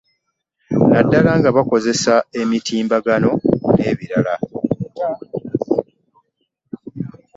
Naddala nga bakozesa emitimbagano n'ebirala.